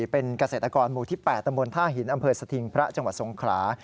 เป็นเกษตรกรหมู่ที่๘ตำบลท่าหินอำเภอสถิงพระจังหวัดสงขลา